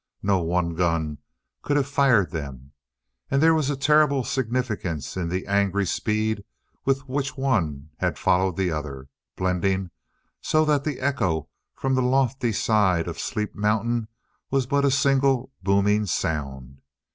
No one gun could have fired them. And there was a terrible significance in the angry speed with which one had followed the other, blending, so that the echo from the lofty side of Sleep Mountain was but a single booming sound.